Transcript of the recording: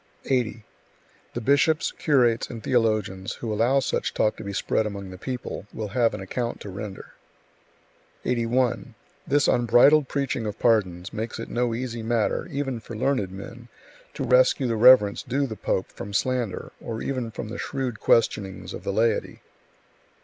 80. The bishops, curates and theologians who allow such talk to be spread among the people, will have an account to render. 81. This unbridled preaching of pardons makes it no easy matter, even for learned men, to rescue the reverence due to the pope from slander, or even from the shrewd questionings of the laity.